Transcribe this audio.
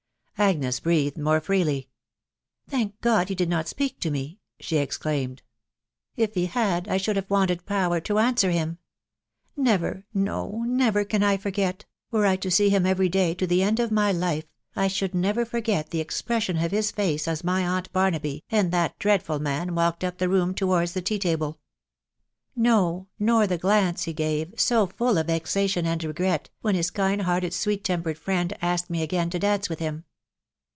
Agnes breathed more freely. "Thank God, he did not speak to me!" she exclaimed. " If he had, I should have wanted power to answer him. ••. Never, no, never can I forget .... were I to see him every day to the end of my life, I should never forget the expression of his face as my aunt Barnaby .... and that dreadful man .... walked up the room towards the tea table !.•.. no, nor the glance he gave, so full of vexation and regret, when his kind hearted, sweet tempered friend, asked me again to dance with him